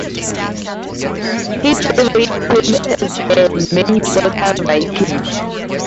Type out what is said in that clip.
His favorite team is the Minnesota Vikings.